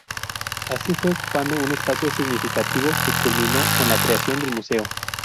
Así, fue ocupando un espacio significativo que culminó con la creación del Museo.